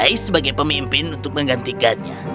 dia akan menjadi pemimpin untuk menggantikannya